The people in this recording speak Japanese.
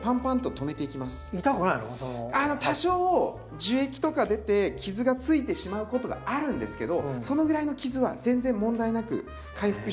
あの多少樹液とか出て傷がついてしまうことがあるんですけどそのぐらいの傷は全然問題なく回復していくので。